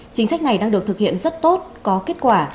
chính sách này đang được thực hiện rất tốt có kết quả